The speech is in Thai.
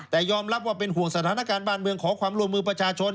แต่ยอมรับว่าเป็นห่วงสถานการณ์บ้านเมืองขอความร่วมมือประชาชน